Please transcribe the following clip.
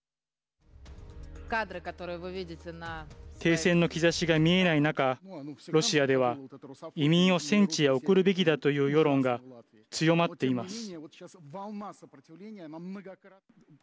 停戦の兆しが見えない中ロシアでは移民を戦地へ送るべきだという世論が強まっています。